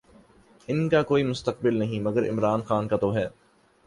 ان کا کوئی مستقبل نہیں، مگر عمران خان کا تو ہے۔